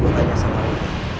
gue tanya sama lu